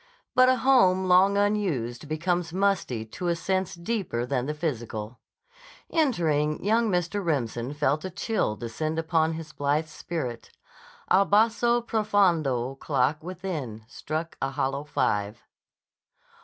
But a home long unused becomes musty to a sense deeper than the physical. Entering, young Mr. Remsen felt a chill descend upon his blithe spirit. A basso profondo clock within struck a hollow five.